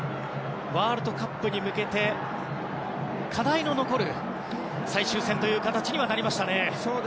ワールドカップに向けて課題の残る最終戦という形になりましたね。